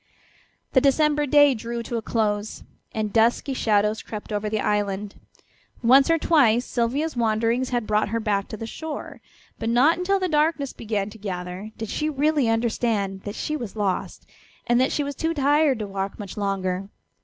The December day drew to a close, and dusky shadows crept over the island. Once or twice Sylvia's wanderings had brought her back to the shore, but not until the darkness began to gather did she really understand that she was lost, and that she was too tired to walk much longer.